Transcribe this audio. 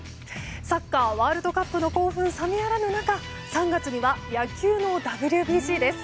サッカーワールドカップの興奮冷めやらぬ中３月には野球のＷＢＣです。